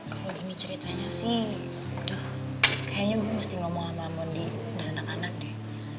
kalau gini ceritanya sih kayaknya gue mesti ngomong sama amon di dalam anak anak deh